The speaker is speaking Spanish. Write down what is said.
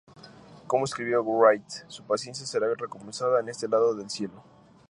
Como escribió Wright, "su paciencia será recompensada en este lado del cielo".